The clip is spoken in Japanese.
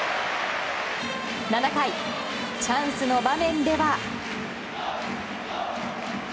７回、チャンスの場面では。